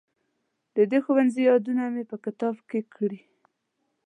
د دې ښوونځي یادونه مې په کتاب کې کړې.